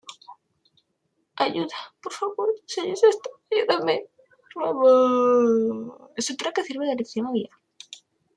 Estructura que sirve de orientación o guía.